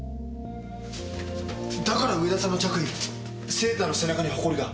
だから上田さんの着衣セーターの背中にほこりが。